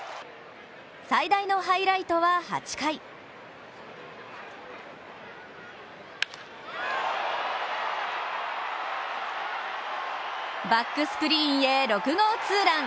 最大のハイライトは８回バックスクリーンへ６号ツーラン。